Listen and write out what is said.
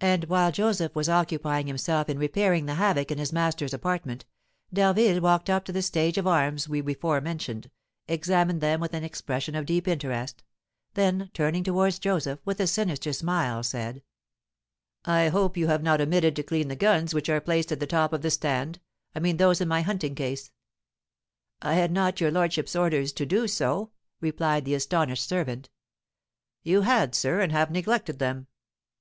And, while Joseph was occupying himself in repairing the havoc in his master's apartment, D'Harville walked up to the stage of arms we before mentioned, examined them with an expression of deep interest, then, turning towards Joseph, with a sinister smile, said: "I hope you have not omitted to clean the guns which are placed at the top of the stand, I mean those in my hunting case." "I had not your lordship's orders to do so," replied the astonished servant. "You had, sir, and have neglected them!"